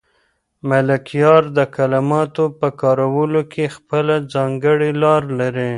ملکیار د کلماتو په کارولو کې خپله ځانګړې لار لري.